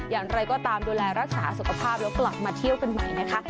อย่างไรก็ตามดูแลรักษาสุขภาพแล้วกลับมาเที่ยวกันใหม่นะคะ